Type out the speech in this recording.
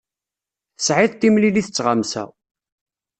Tesɛiḍ timlilit d tɣamsa.